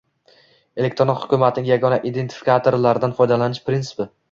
Elektron hukumatning yagona identifikatorlaridan foydalanish prinsipi